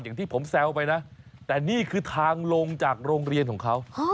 อย่างที่ผมแซวไปนะแต่นี่คือทางลงจากโรงเรียนของเขา